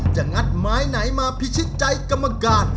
งัดไม้ไหนมาพิชิตใจกรรมการ